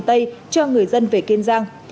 tây cho người dân về kiên giang